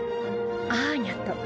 アーニャと。